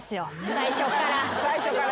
最初からね。